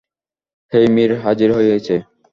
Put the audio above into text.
হেইমির হাজির হয়েছে!